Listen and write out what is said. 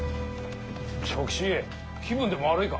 長吉気分でも悪いか？